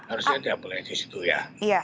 harusnya tidak boleh di situ ya